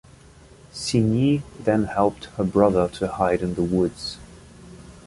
Signy then helped her brother to hide in the woods.